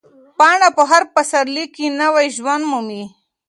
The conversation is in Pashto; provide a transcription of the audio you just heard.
پاڼه په هر پسرلي کې نوی ژوند مومي.